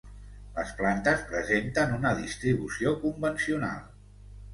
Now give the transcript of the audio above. Les plantes presenten una distribució convencional.